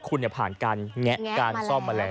คุณผ่านการแงะการซ่อมมาแล้ว